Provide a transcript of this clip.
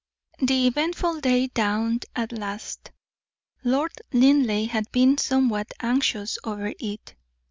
The eventful day dawned at last. Lord Linleigh had been somewhat anxious over it.